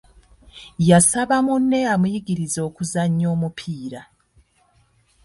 Yasaba munne amuyigirize okuzannya omupiira.